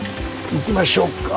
行きましょっか。